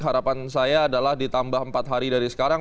harapan saya adalah ditambah empat hari dari sekarang